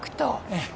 ええ。